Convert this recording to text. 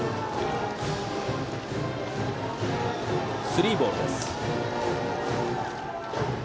スリーボールです。